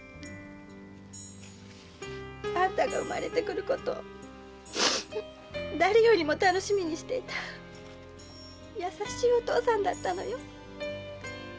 あんたが産まれてくることを誰よりも楽しみにしていた優しいお父さんだったのよ。